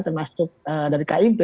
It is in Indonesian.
termasuk dari kib